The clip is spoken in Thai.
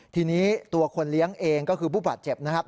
ทีนี้ตัวคนเลี้ยงเองก็คือผู้บาดเจ็บนะครับ